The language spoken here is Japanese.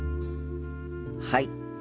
はい。